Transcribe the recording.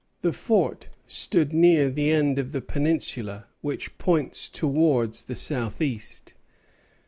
The fort stood near the end of the peninsula, which points towards the southeast.